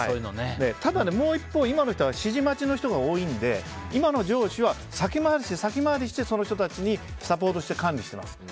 ただ、もう一方今の人は指示待ちの人が多いので今の上司は先回りしてその人たちにサポートして管理しています。